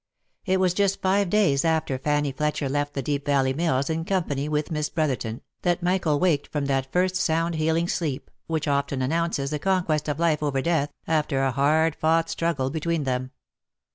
It was just five days after Fanny Fletcher left the Deep Valley Mills in company with Miss Brotherton, that Michael waked from that first sound healing sleep, which often announces the conquest of life over death, after a hard fought struggle between them.